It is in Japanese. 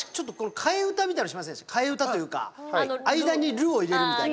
替え歌というか間に「る」を入れるみたいな。